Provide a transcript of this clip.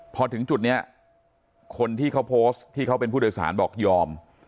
พอถึงจุดนี้คนที่เขาโพสต์ที่เขาเป็นผู้โดยสารบอกยอม